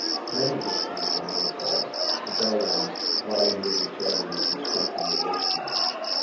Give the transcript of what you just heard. Many histories were made for her, the beldams vying with each other in constructing the worst one.